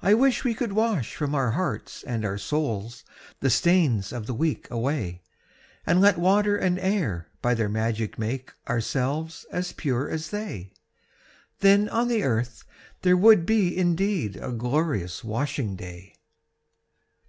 I wish we could wash from our hearts and our souls The stains of the week away, And let water and air by their magic make Ourselves as pure as they; Then on the earth there would be indeed A glorious washing day!